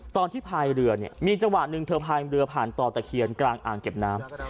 พายเรือเนี่ยมีจังหวะหนึ่งเธอพายเรือผ่านต่อตะเคียนกลางอ่างเก็บน้ำ